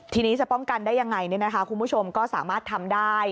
ทีนี้จะป้องกันได้ยังไงคุณผู้ชมก็สามารถทำได้